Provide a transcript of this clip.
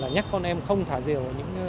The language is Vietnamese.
nhắc con em không thả diều